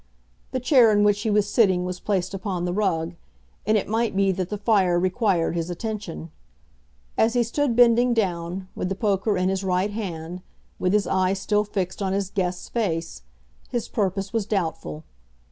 The chair in which he was sitting was placed upon the rug, and it might be that the fire required his attention. As he stood bending down, with the poker in his right hand, with his eye still fixed on his guest's face, his purpose was doubtful.